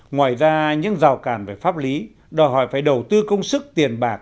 ngoài ra những rào cản về pháp lý đòi hỏi phải đầu tư công sức tiền bạc